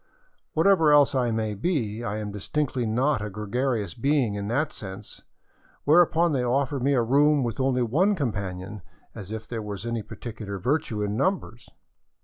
Whatever else I may be, I am distinctly not a gregarious being in that sense; whereupon they offered me a room with only one companion, as if there were any particular virtue in numbers